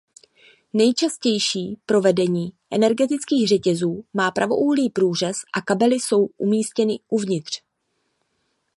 Nejčastější provedení energetických řetězů má pravoúhlý průřez a kabely jsou umístěny uvnitř.